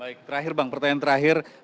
baik terakhir bang pertanyaan terakhir